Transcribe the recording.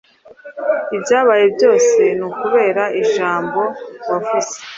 Ibyabaye byose ni kubera ijambo wavuze.